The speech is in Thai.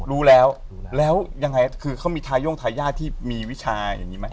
รู้แล้วรู้แล้วแล้วยังไงคือเขามีทาย่งทายาทที่มีวิชาอย่างนี้ไหม